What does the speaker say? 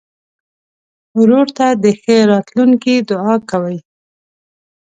ورور ته د ښه راتلونکي دعا کوې.